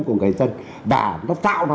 của người dân và nó tạo ra